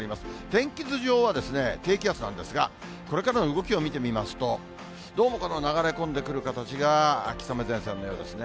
天気図上はですね、低気圧なんですが、これからの動きを見てみますと、どうもこの流れ込んでくる形が秋雨前線のようですね。